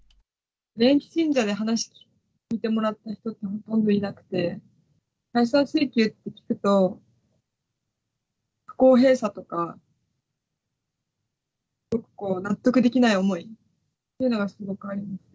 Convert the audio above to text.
現役信者で話を聞いてもらった人というのはほとんどいなくて、解散請求って聞くと、不公平さとか、納得できない思いというのがすごくあります。